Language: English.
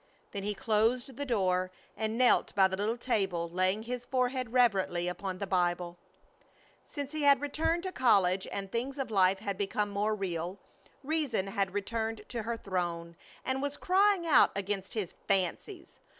Then he closed the door and knelt by the little table, laying his forehead reverently upon the Bible. Since he had returned to college and things of life had become more real, Reason had returned to her throne and was crying out against his "fancies."